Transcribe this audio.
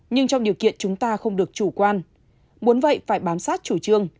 nhưng trong điều kiện chúng ta không được chủ quan muốn vậy phải bám sát chủ trương